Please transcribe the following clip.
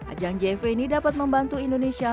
ajang jfw ini dapat membantu indonesia